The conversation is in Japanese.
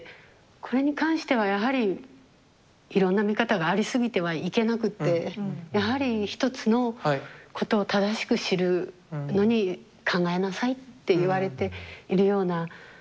これに関してはやはりいろんな見方がありすぎてはいけなくてやはり一つのことを正しく知るのに考えなさいって言われているような気がします。